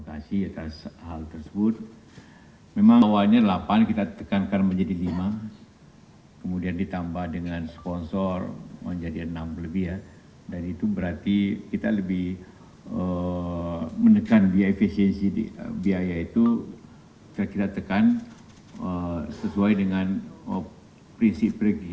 assalamualaikum warahmatullahi wabarakatuh